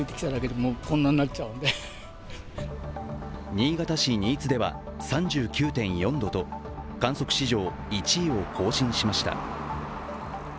新潟市新津では３９．４度と観測史上１位を更新しました。